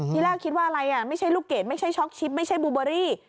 ที่แรกคิดว่าอะไรไม่ใช่ลูกเกดไม่ใช่ช็อกชิปไม่ใช่บูเบอรี่